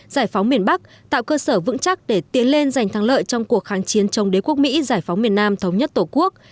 giải phóng miền bắc tạo cơ sở vững chắc để tiến lên giành thắng lợi trong cuộc kháng chiến chống đế quốc mỹ giải phóng miền nam thống nhất tổ quốc